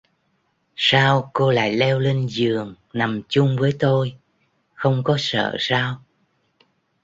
Sao cô lại leo lên giường nằm chung với tôi không có sợ sao